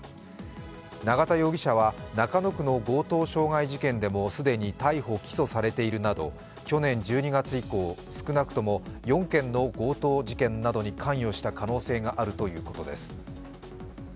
永田容疑者は中野区の強盗傷害事件でも既に逮捕・起訴されているなど去年１２月以降、少なくとも４件の強盗事件に関与した可能性があるということです。